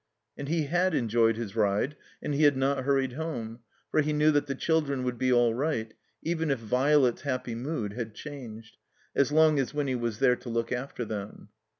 And he had enjoyed his ride, and he had not hur ried home, for he knew that the children would be all right (even if Violet's happy mood had changed) as long as Winny was there to look after them.